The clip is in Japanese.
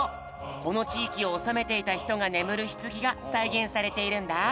このちいきをおさめていたひとがねむるひつぎがさいげんされているんだ。